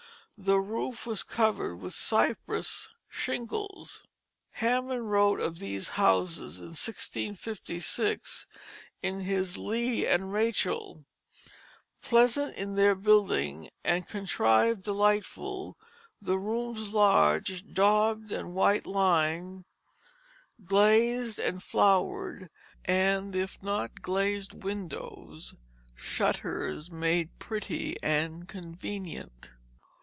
The roofs were covered with cypress shingles. Hammond wrote of these houses in 1656, in his Leah and Rachel, "Pleasant in their building, and contrived delightfull; the rooms large, daubed and whitelimed, glazed and flowered; and if not glazed windows, shutters made pretty and convenient."